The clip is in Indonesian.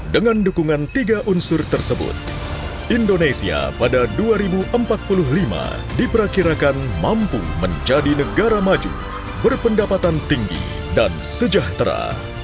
dengan dukungan tiga unsur tersebut indonesia pada dua ribu empat puluh lima diperkirakan mampu menjadi negara maju berpendapatan tinggi dan sejahtera